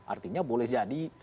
artinya boleh jadi